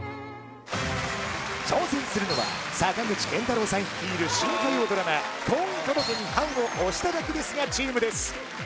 挑戦するのは坂口健太郎さん率いる新火曜ドラマ婚姻届に判を捺しただけですがチームです